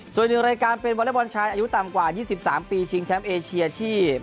เสมอกัน๑ต่อ๑เซต